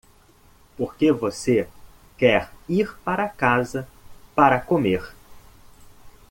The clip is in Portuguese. Por que você quer ir para casa para comer?